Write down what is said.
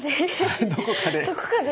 どこかで？